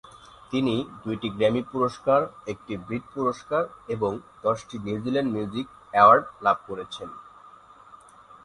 তিনি দুইটি গ্র্যামি পুরস্কার, একটি ব্রিট পুরস্কার এবং দশটি নিউজিল্যান্ড মিউজিক অ্যাওয়ার্ড লাভ করেছেন।